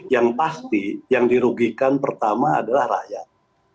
yang pasti yang dirugikan pertama adalah rakyat